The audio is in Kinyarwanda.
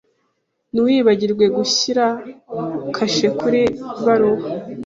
Ntiwibagirwe gushyira kashe kuri baruwa.